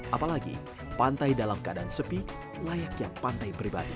apalagi pantai dalam keadaan sepi layaknya pantai pribadi